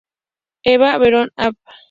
Eva Perón, Av.